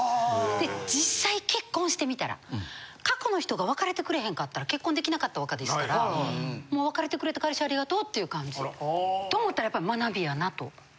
で実際結婚してみたら過去の人が別れてくれへんかったら結婚できなかったわけですからもう別れてくれた彼氏ありがとうっていう感じ。と思ったらやっぱ学びやなと。